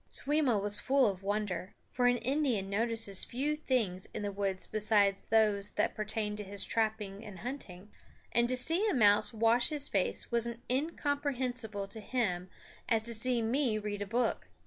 Simmo was full of wonder, for an Indian notices few things in the woods beside those that pertain to his trapping and hunting; and to see a mouse wash his face was as incomprehensible to him as to see me read a book.